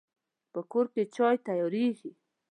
په کور کې چای تیاریږي